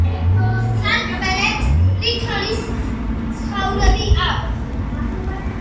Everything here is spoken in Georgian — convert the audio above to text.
სარკმლებს ლითონის ცხაურები აქვს.